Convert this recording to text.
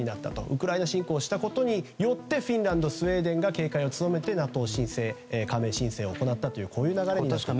ウクライナ侵攻したことによってフィンランド、スウェーデンが警戒を強めてＮＡＴＯ加盟申請を行った流れになった。